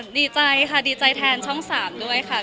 ดีใจค่ะดีใจแทนช่อง๓ด้วยค่ะ